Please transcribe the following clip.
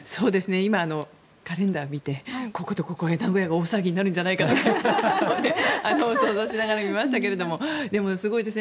今、カレンダーを見てこことここで名古屋が大騒ぎになるんじゃないかとか想像しながら見ましたがでも、すごいですね。